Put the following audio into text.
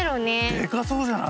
デカそうじゃない？